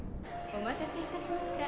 「お待たせいたしました。